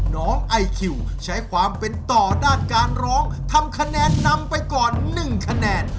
น้องไอคิวใช้ความเป็นต่อด้านการร้องทำคะแนนนำไปก่อน๑คะแนน